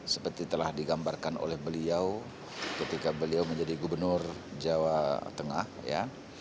seperti telah digambarkan oleh beliau ketika beliau menjadi gubernur jawa tengah ya